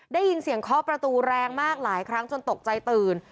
ได้ยินเสียงเคาะประตูแรงมากหลายครั้งจนตกใจตื่น